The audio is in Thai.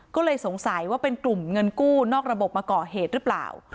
ก็เลยสงสัยว่าเป็นกลุ่มเงินกู้นอกระบบมาก่อเหตุหรือเปล่า